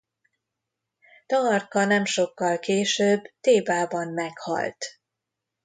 Taharka nem sokkal később Thébában meghalt.